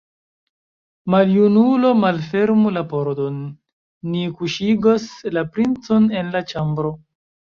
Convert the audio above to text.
Maljunulo, malfermu la pordon, ni kuŝigos la princon en la ĉambro!